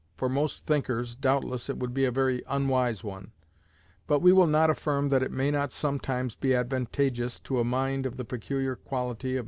For most thinkers, doubtless, it would be a very unwise one; but we will not affirm that it may not sometimes be advantageous to a mind of the peculiar quality of M.